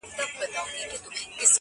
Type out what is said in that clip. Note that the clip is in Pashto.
د کلي سيند راته هغه لنده خيسته راوړې~